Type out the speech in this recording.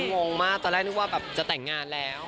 นึกว่าตอนแรกคุณจะแต่งงานแล้ว